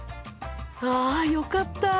あよかった！